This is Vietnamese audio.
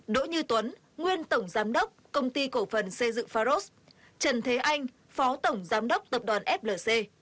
đỗ như tuấn nguyên tổng giám đốc công ty cổ phần xây dựng pharos trần thế anh phó tổng giám đốc tập đoàn flc